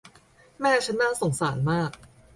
แม่ฉันน่าสงสารมาก